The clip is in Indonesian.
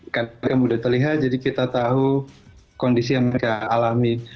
karena mudah terlihat jadi kita tahu kondisi yang mereka alami